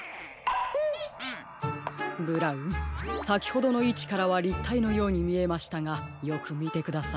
ブラウンさきほどのいちからはりったいのようにみえましたがよくみてください。